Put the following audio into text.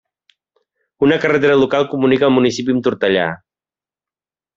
Una carretera local comunica el municipi amb Tortellà.